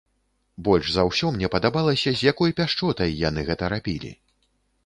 Больш за ўсё мне падабалася, з якой пяшчотай яны гэта рабілі.